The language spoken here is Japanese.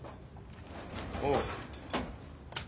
おう。